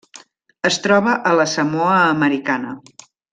Es troba a la Samoa Americana.